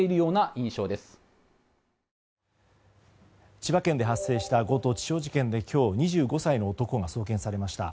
千葉県で発生した強盗致傷事件で今日、２５歳の男が送検されました。